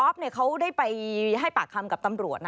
เขาได้ไปให้ปากคำกับตำรวจ